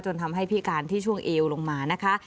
ทำให้พิการที่ช่วงเอวลงมานะคะ